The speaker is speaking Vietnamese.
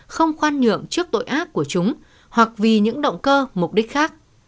không khoan nhượng trước tội ác của chúng hoặc vì những động cơ mục đích khác